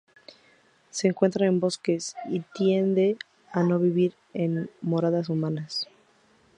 Se encuentra en bosques, y tiende a no vivir en moradas humanas.